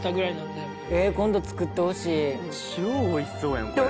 「今度作ってほしい」「超美味しそうやんこれ」